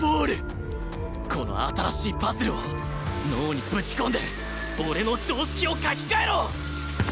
この新しいパズルを脳にぶち込んで俺の常識を書き換えろ！！